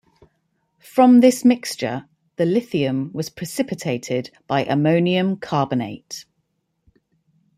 From this mixture, the lithium was precipitated by ammonium carbonate.